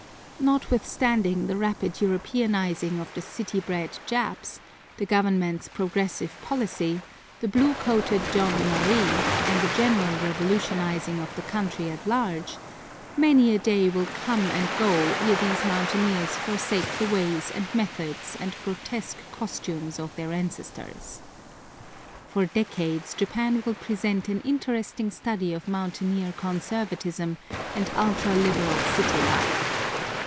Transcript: Notwithstanding the rapid Europeanizing of the city bred Japs, the government's progressive policy, the blue coated gendarmerie, and the general revolutionizing of the country at large, many a day will come and go ere these mountaineers forsake the ways and methods and grotesque costumes of their ancestors. For decades Japan will present an interesting study of mountaineer conservatism and ultra liberal city life.